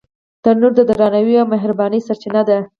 تنور د درناوي او مهربانۍ سرچینه ده